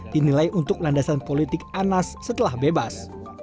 dinilai untuk landasan politik anas setelah bebas